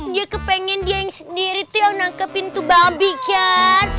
dia kepengen dia sendiri tuh yang nangkepin tuh babi kan